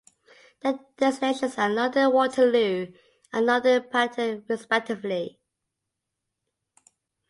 The destinations are London Waterloo and London Paddington respectively.